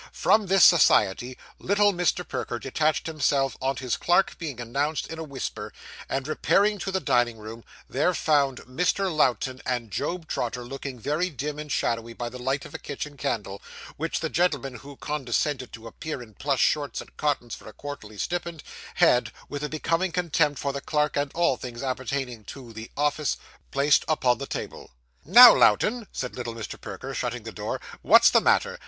From this society, little Mr. Perker detached himself, on his clerk being announced in a whisper; and repairing to the dining room, there found Mr. Lowten and Job Trotter looking very dim and shadowy by the light of a kitchen candle, which the gentleman who condescended to appear in plush shorts and cottons for a quarterly stipend, had, with a becoming contempt for the clerk and all things appertaining to 'the office,' placed upon the table. 'Now, Lowten,' said little Mr. Perker, shutting the door, 'what's the matter?